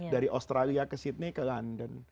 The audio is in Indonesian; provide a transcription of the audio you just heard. dari australia ke sydney ke london